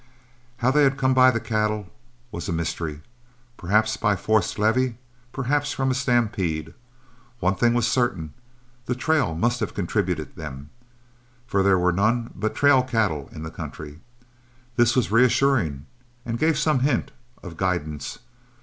How they had come by the cattle was a mystery, perhaps by forced levy, perhaps from a stampede. One thing was certain: the trail must have contributed them, for there were none but trail cattle in the country. This was reassuring and gave some hint of guidance.